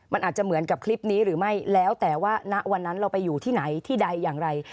มันอาจจะเหมือนกับคลิปนี้หรือไม่แล้วแต่ว่าณวันนั้นเราไปอยู่ที่ไหนที่ใดอย่างไร